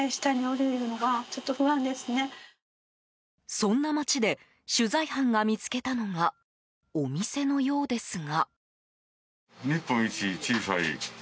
そんな街で取材班が見つけたのがお店のようですが。